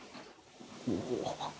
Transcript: お。